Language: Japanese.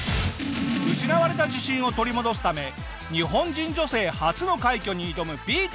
失われた自信を取り戻すため日本人女性初の快挙に挑むＰＩＥＴＥＲさん。